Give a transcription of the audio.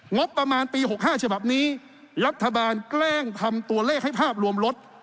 งบประมาณปี๖๕ฉบับนี้รัฐบาลแกล้งทำตัวเลขให้ภาพรวมลด